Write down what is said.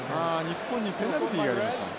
日本にペナルティーがありました。